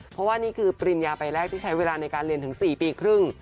เพราะว่านี่คือปริญญาใบแรกที่ใช้เวลาในการเรียนถึง๔ปีครึ่ง